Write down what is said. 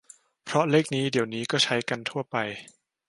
เพราะเลขนี้เดี๋ยวนี้ก็ใช้กันทั่วไป